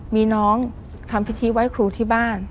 มีน้องทำพิธีไว้ครูที่บ้าน